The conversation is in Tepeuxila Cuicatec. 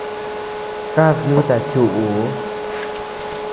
Kad yuta chuʼuu.